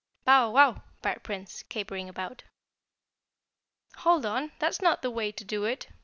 "Bow wow!" barked Prince, capering about. "Hold on! That's not the way to do it!